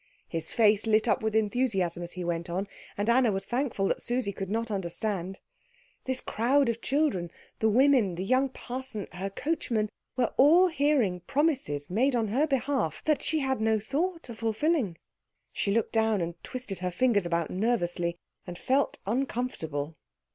His face lit up with enthusiasm as he went on, and Anna was thankful that Susie could not understand. This crowd of children, the women, the young parson, her coachman, were all hearing promises made on her behalf that she had no thought of fulfilling. She looked down, and twisted her fingers about nervously, and felt uncomfortable.